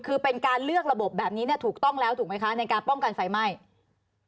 คือเป็นการเลือกระบบแบบนี้เนี่ยถูกต้องแล้วถูกไหมคะในการป้องกันไฟไหม้